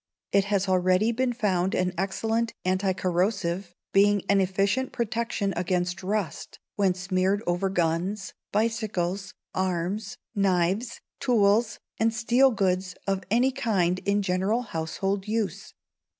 It has already been found an excellent anti corrosive, being an efficient protection against rust, when smeared over guns, bicycles, arms, knives, tools, and steel goods, of any kind in general household use.